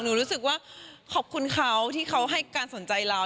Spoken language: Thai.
รู้สึกว่าขอบคุณเขาที่เขาให้การสนใจเรา